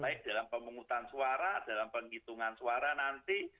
baik dalam pemungutan suara dalam penghitungan suara nanti